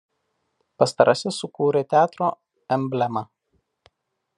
Pastarasis sukūrė teatro emblemą.